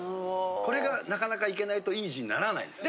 これがなかなかいけないといい字にならないんですね。